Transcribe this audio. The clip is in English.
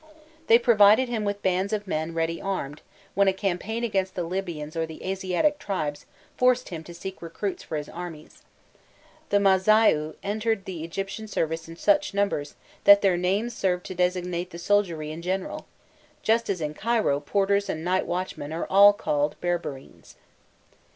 They provided him with bands of men ready armed, when a campaign against the Libyans or the Asiatic tribes forced him to seek recruits for his armies: the Mâzaiû entered the Egyptian service in such numbers, that their name served to designate the soldiery in general, just as in Cairo porters and night watchmen are all called Berberines.